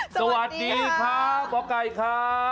สวัสดีค่ะหมอไก่ค่ะ